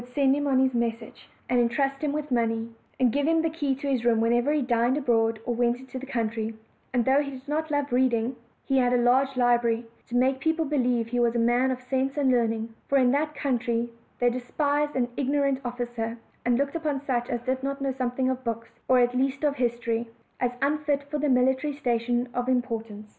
121 send him on his messages, and intrust him with money, and give him the key of his room whenever he dined abroad, or went into the country; and though he did not love reading, he had a large library, to make people be lieve he was a man of sense and learning; for in that country they despised an ignorant officer, and looked upon such as did not know something of books, or at least of history, as unfit for any military station of importance.